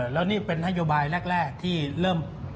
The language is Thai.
แล้วนี่เป็นนโยบายแรกที่เริ่ม